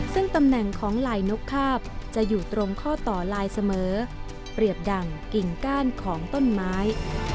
ซึ่งตำแหน่งของลายนกคาบจะอยู่ตรงข้อต่อลายเสมอเปรียบดั่งกิ่งก้านของต้นไม้